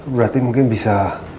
berarti mungkin bisa